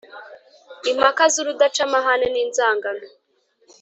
impaka z’urudaca, amahane n’inzangano